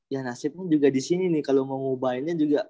ya nasibnya juga disini nih kalo mau ngubahinnya juga